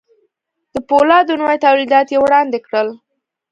د پولادو نوي توليدات يې وړاندې کړل.